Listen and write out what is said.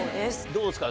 どうですか？